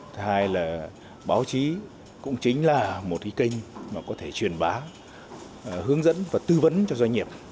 thứ hai là báo chí cũng chính là một cái kênh mà có thể truyền bá hướng dẫn và tư vấn cho doanh nghiệp